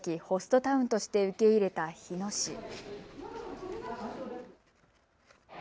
ホストタウンとして受け入れた日野市。